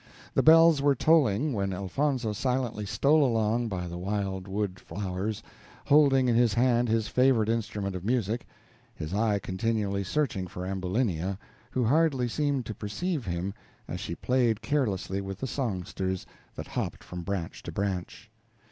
The bells were tolling when Elfonzo silently stole along by the wild wood flowers, holding in his hand his favorite instrument of music his eye continually searching for Ambulinia, who hardly seemed to perceive him, as she played carelessly with the songsters that hopped from branch to branch.